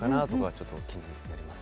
ちょっと気になっています。